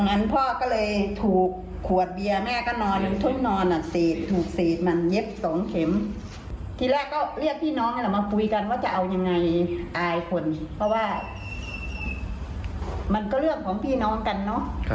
มันก็จะเอายังไงอายคนเพราะว่ามันก็เรื่องของพี่น้องกันเนาะ